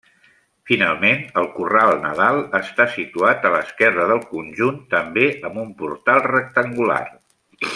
Finalment, el Corral Nadal està situat a l'esquerra del conjunt, també amb un portal rectangular.